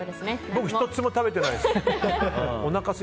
僕１つも食べてないです。